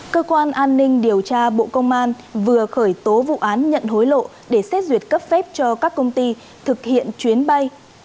cơ quan an ninh điều tra bộ công an vừa khởi tố vụ án nhận hối lộ để xét duyệt cấp phép cho các công ty thực hiện chuyến bay